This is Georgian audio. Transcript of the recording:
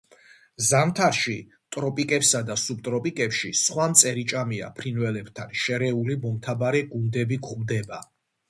ზამთარში, ტროპიკებსა და სუბტროპიკებში სხვა მწერიჭამია ფრინველებთან შერეული მომთაბარე გუნდები გვხვდება.